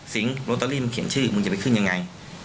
ลอตเตอรี่มันเขียนชื่อมึงจะไปขึ้นยังไง